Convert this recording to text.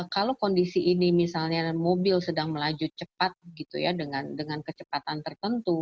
kalau kondisi ini misalnya mobil sedang melaju cepat gitu ya dengan kecepatan tertentu